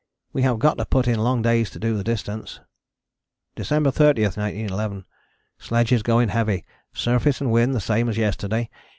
We have got to put in long days to do the distance. December 30, 1911. Sledges going heavy, surface and wind the same as yesterday.